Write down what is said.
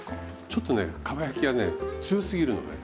ちょっとねかば焼きがね強すぎるのね。